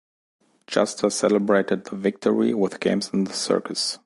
Justa celebrated the victory with games in the circus.